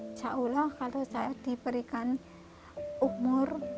insya allah kalau saya diberikan umur